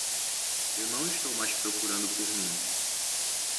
Eu não estou mais procurando por mim.